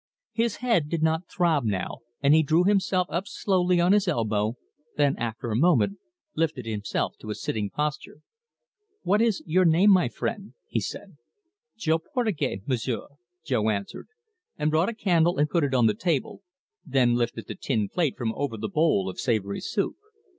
His head did not throb now, and he drew himself up slowly on his elbow then, after a moment, lifted himself to a sitting posture. "What is your name, my friend?" he said. "Jo Portugais, M'sieu'," Jo answered, and brought a candle and put it on the table, then lifted the tin plate from over the bowl of savoury soup.